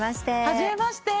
初めまして。